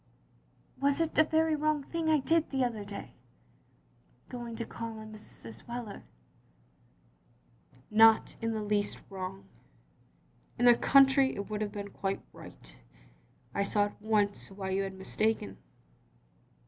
" "Was it a very wrong thing I did the other day, going to call on Mrs. Wheler?" "Not in the least wrong. In the cotintry it would have been quite right. I saw at once why you had mistaken.